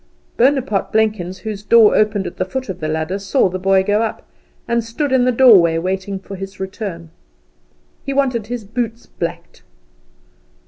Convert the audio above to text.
Bonaparte Blenkins, whose door opened at the foot of the ladder, saw the boy go up, and stood in the doorway waiting for his return. He wanted his boots blacked.